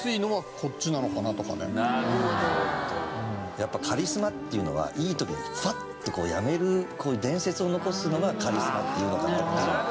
やっぱカリスマっていうのはいい時にファッとこうやめる伝説を残すのがカリスマっていうのかなっていうのと。